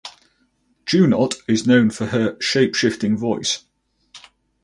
Junot is known for her "shapeshifting voice".